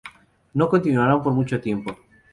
No continuarán por mucho tiempo.